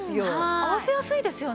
合わせやすいですよね